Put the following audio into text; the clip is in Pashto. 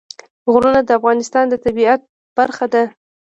غرونه د افغانستان د طبیعت برخه ده.